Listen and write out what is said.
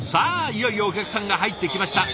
いよいよお客さんが入ってきました。